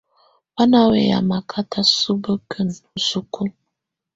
Bá ná wɛyá makátá subǝ́kinǝ isukulu.